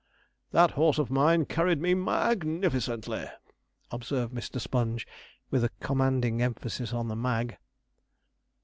'That horse of mine carried me MAG_nificently_!' observed Mr. Sponge, with a commanding emphasis on the MAG.